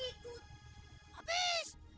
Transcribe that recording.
aku kesepian di sini